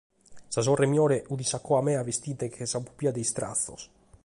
Sa sorre minore fiat in sa coa mea bestende·nche sa pupia de istratzos.